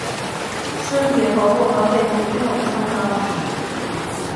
尸体头部和背部均有枪伤。